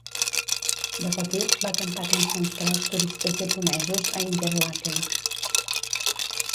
De petit, va cantar cançons per als turistes japonesos a Interlaken.